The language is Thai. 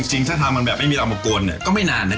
จริงถ้าทางมันแบบไม่มีเรามากวนเนี่ยก็ไม่นานนะ